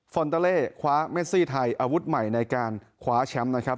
อนเตอร์เล่คว้าเมซี่ไทยอาวุธใหม่ในการคว้าแชมป์นะครับ